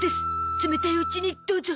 冷たいうちにどうぞ。